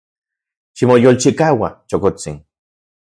Ximoyolchikaua, chokotsin.